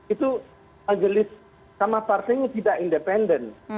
itu majelis sama partainya tidak independen